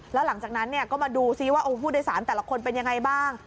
แล้วหลังจากนั้นก็มาดูซิว่าผู้โดยสารแต่ละคนเป็นยังไงบ้าง